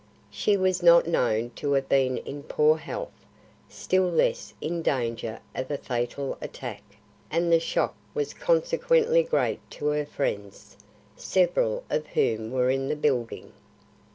She was not known to have been in poor health, still less in danger of a fatal attack, and the shock was consequently great to her friends, several of whom were in the building.